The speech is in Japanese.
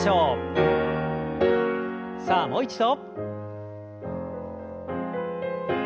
さあもう一度。